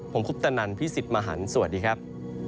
ผมคุปตะนันพี่สิทธิ์มหันฯสวัสดีครับ